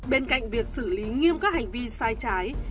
bên cạnh việc xử lý nghiêm các hành vi sai trái